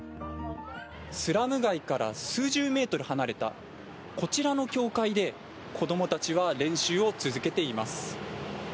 スラム街から数十メートル離れたこちらの教会で、子どもたちは練習を続けています。